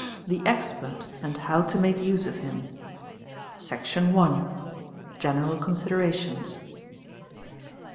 THE EXPERT AND HOW TO MAKE USE OF HIM. Nee, ee nena Section i.—General Considerations.